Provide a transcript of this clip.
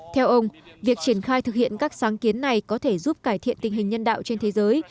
theo ông việc triển khai thực hiện các sáng kiến này có thể giúp cải thiện tình hình nhân đạo trên thế giới